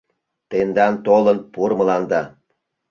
Темдан толын пурмыланда